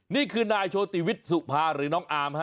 นี่คือนายโชติวิทย์สุภาหรือน้องอามฮะ